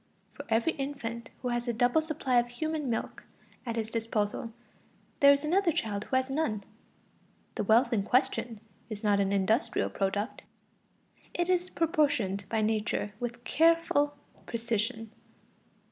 For every infant who has a double supply of human milk at his disposal, there is another child who has none. The wealth in question is not an industrial product. It is apportioned by Nature with careful precision.